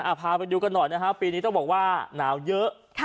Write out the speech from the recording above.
พาไปดูกันหน่อยนะฮะปีนี้ต้องบอกว่าหนาวเยอะ